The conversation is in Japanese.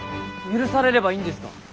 許されればいいんですか。